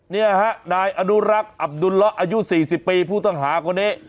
นี่ฮะนายอนุรักษ์อับดุลละอายุ๔๐ปีผู้ต้องหาคนนี้